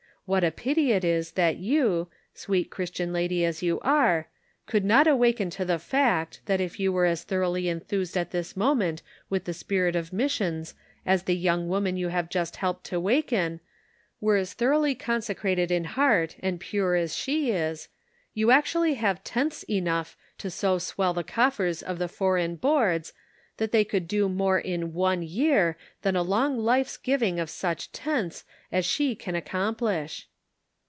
What a pity it is that you, sweet Christian lady as you are, could not awaken to the fact, that if you 200 The Pocket Measure. were as thoroughly enthused at this moment with the spirit of missions as the young woman you have just helped to waken, were as thoroughly consecrated in heart and pure as she is ; you actually have tenths enough to so swell the coffers of the Foreign Boards that they could do more in one year than a long life's giving of such " tenths " as she has can accomplish.